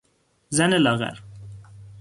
زن لاغر